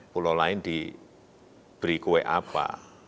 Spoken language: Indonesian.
pulau lain diberi kue apa